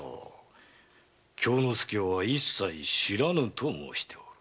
京之介は「一切知らぬ」と申しておる。